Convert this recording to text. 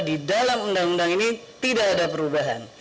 di dalam undang undang ini tidak ada perubahan